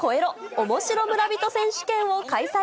おもしろ村人選手権を開催。